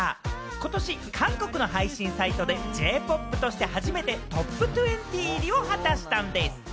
ことし韓国の配信サイトでＪ−ＰＯＰとして初めてトップ２０入りを果たしたんでぃす。